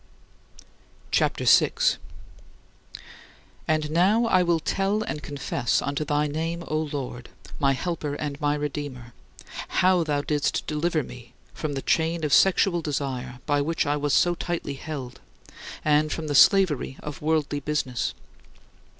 CHAPTER VI 13. And now I will tell and confess unto thy name, O Lord, my helper and my redeemer, how thou didst deliver me from the chain of sexual desire by which I was so tightly held, and from the slavery of worldly business.